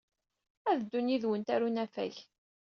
Ad ddun yid-went ɣer unafag.